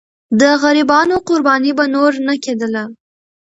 د غریبانو قرباني به نور نه کېدله.